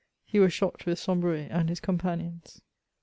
He was shot with Somhreuil and his companions.